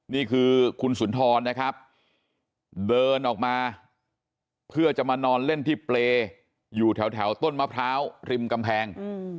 นี่คือคุณสุนทรนะครับเดินออกมาเพื่อจะมานอนเล่นที่เปรย์อยู่แถวต้นมะพร้าวริมกำแพง